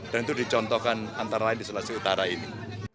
itu dicontohkan antara lain di sulawesi utara ini